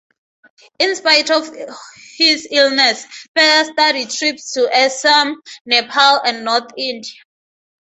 In spite of his illness, further study trips to Assam, Nepal and North-India.